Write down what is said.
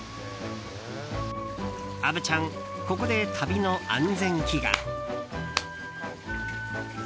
虻ちゃん、ここで旅の安全祈願。